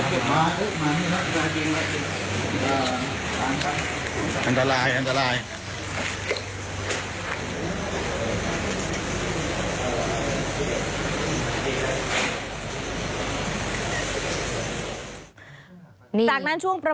สวัสดีค่ะสวัสดีค่ะ